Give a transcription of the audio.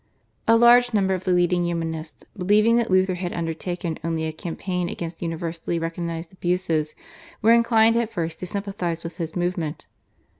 A large number of the leading Humanists, believing that Luther had undertaken only a campaign against universally recognised abuses, were inclined at first to sympathise with his movement.